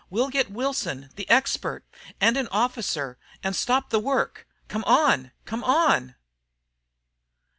We'll get Wilson, the expert, and an officer, and stop the work. Come on! Come on!"